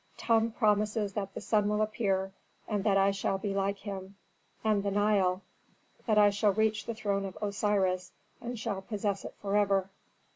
Tum promises that the sun will appear, and that I shall be like him, and the Nile; that I shall reach the throne of Osiris, and shall possess it forever."